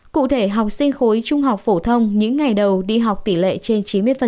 cụ thể học sinh khối trung học phổ thông những ngày đầu đi học tỷ lệ trên chín mươi